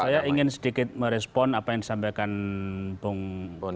saya ingin sedikit merespon apa yang disampaikan bung